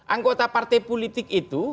anggota partai politik itu